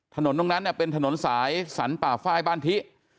ถนนตรงนั้นเป็นถนนสายสรรป่าไฟล์บ้านทิ